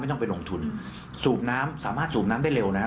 ต้องไปลงทุนสูบน้ำสามารถสูบน้ำได้เร็วนะฮะ